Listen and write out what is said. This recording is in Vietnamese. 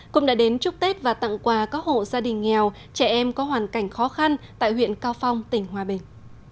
cũng đã đến chúc tết và tặng quà các hộ gia đình nghèo trẻ em có hoàn cảnh khó khăn tại huyện cao phong tỉnh hòa bình